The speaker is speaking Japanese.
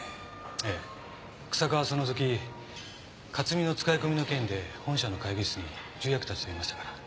えぇ日下はその時克巳の使い込みの件で本社の会議室に重役たちといましたから。